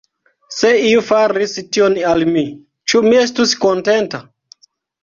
Se iu faris tion al mi, ĉu mi estus kontenta?